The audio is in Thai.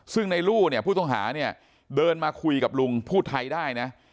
ซึ่งในรูผู้ต้องหาเดินมาคุยกับลุงผู้ไทยได้นะ